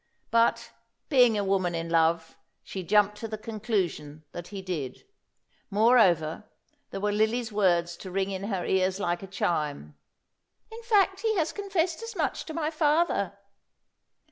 But, being a woman in love, she jumped to the conclusion that he did. Moreover, there were Lily's words to ring in her ears like a chime: "In fact, he has confessed as much to my father."